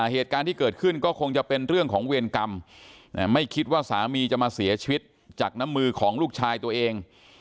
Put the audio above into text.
เหตุการณ์ที่เกิดขึ้นก็คงจะเป็นเรื่องของเวรกรรมไม่คิดว่าสามีจะมาเสียชีวิตจากน้ำมือของลูกชายตัวเอง